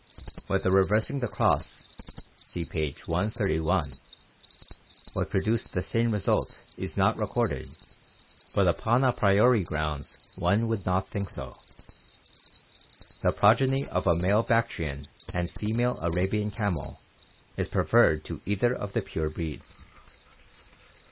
Whether reversing the cross (see page 131) would produce the same result is not recorded, but upon a priori grounds one would not think so. The progeny of a male Bactrian and fe male Arabian camel is preferred to either of the pure breeds.